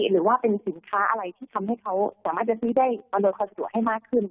หรือว่าเป็นสินค้าอะไรที่ทำให้เขาสามารถจะซื้อได้อำนวยความสะดวกให้มากขึ้น